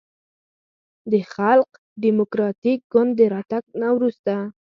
د خلق دیموکراتیک ګوند د راتګ نه وروسته